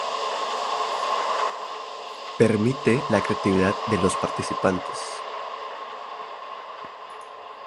Permite más la creatividad de los participantes.